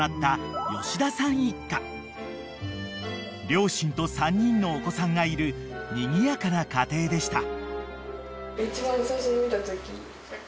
［両親と３人のお子さんがいるにぎやかな家庭でした］